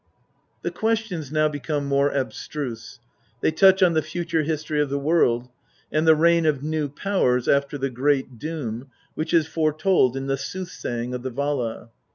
The questions now become more abstruse. They touch on the future history of the world, and the reign of new powers after the Great Doom, which is foretold in the Soothsaying of the Vala.